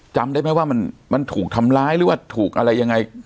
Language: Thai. จำได้ไหมว่ามันถูกทำร้ายหรือว่าถูกอะไรยังไง